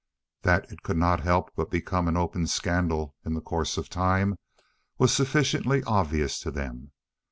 That it could not help but become an open scandal, in the course of time, was sufficiently obvious to them.